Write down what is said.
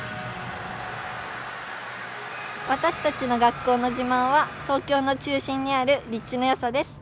私たちの学校の自慢は東京の中心にある立地のよさです。